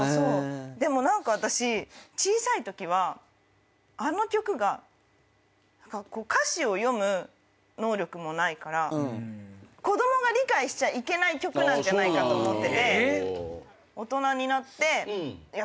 でも何か私小さいときはあの曲が歌詞を読む能力もないから子供が理解しちゃいけない曲なんじゃないかと思ってて。